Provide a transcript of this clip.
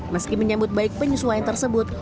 meski menyambut baik penyesuaian tersebut